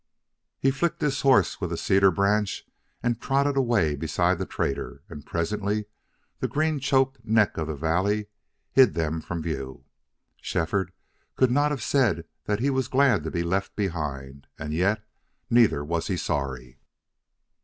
He flicked his horse with a cedar branch and trotted away beside the trader, and presently the green choked neck of the valley hid them from view. Shefford could not have said that he was glad to be left behind, and yet neither was he sorry.